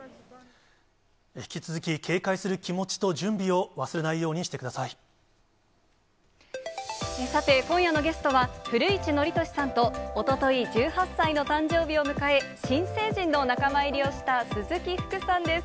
引き続き警戒する気持ちと準さて、今夜のゲストは、古市憲寿さんとおととい１８歳の誕生日を迎え、新成人の仲間入りをした鈴木福さんです。